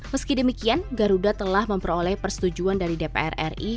meski demikian garuda telah memperoleh persetujuan dari dpr ri